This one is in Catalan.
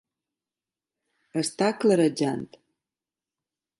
Està clarejant.